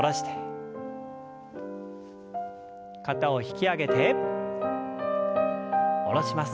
肩を引き上げて下ろします。